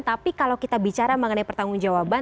tapi kalau kita bicara mengenai pertanggung jawaban